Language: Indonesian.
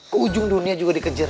ke ujung dunia juga dikejar